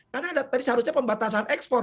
karena tadi seharusnya pembatasan ekspor